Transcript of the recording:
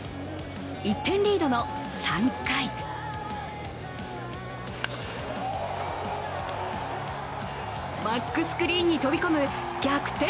１点リードの３回バックスクリーンに飛び込む逆転